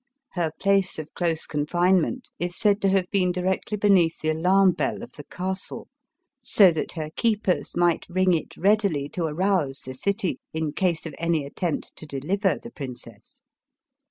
Her place of close confinement is said to have been directly beneath the alarm bell of the castle, so that her keepers might ring it readily, to arouse the city in case of any attempt to deliver the princess.